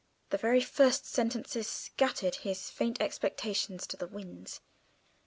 The very first sentences scattered his faint expectations to the winds.